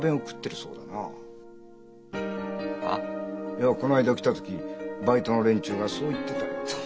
いやこの間来た時バイトの連中がそう言ってたよ。